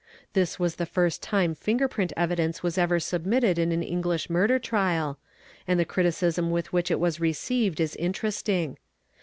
This was the first time finger print evi dence was ever submitted in an English murder trial and the criticism with which it was received is interesting.